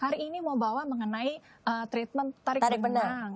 hari ini mau bawa mengenai treatment tarik benang